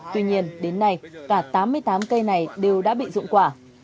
tuy nhiên đến nay cả tám mươi tám cây này đều đã bị dụng quả